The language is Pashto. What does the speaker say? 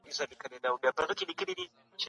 د چا له وېرې باید له رښتیا ویلو څخه لاس په سر نه سو.